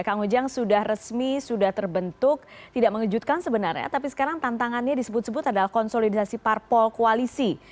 kang ujang sudah resmi sudah terbentuk tidak mengejutkan sebenarnya tapi sekarang tantangannya disebut sebut adalah konsolidasi parpol koalisi